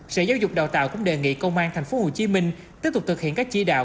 sở giáo dục đào tạo cũng đề nghị công an tp hcm tiếp tục thực hiện các chỉ đạo